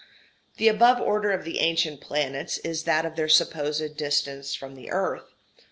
The above order of the ancient planets is that of their supposed distance from the earth.